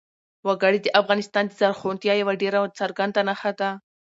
وګړي د افغانستان د زرغونتیا یوه ډېره څرګنده نښه ده.